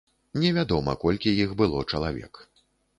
Невядома, колькі іх было чалавек.